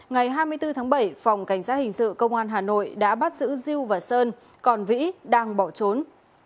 ngày hai mươi bốn tháng bảy phòng cảnh sát hình sự công an hà nội đã bắt giữ diêu và sơn còn vĩ đang bỏ trốn